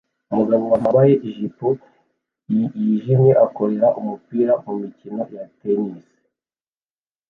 Umugore wambaye ijipo yijimye akorera umupira mumikino ya tennis